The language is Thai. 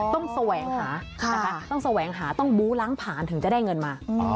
แสวงหานะคะต้องแสวงหาต้องบู้ล้างผ่านถึงจะได้เงินมา